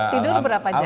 tidur berapa jam